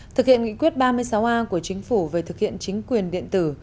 thực hiện nghị quyết ba mươi sáu a của chính phủ về thực hiện chính quyền điện tử